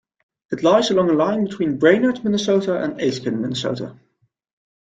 It lies along a line between Brainerd, Minnesota, and Aitkin, Minnesota.